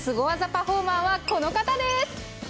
パフォーマーはこの方です。